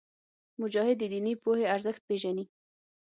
مجاهد د دیني پوهې ارزښت پېژني.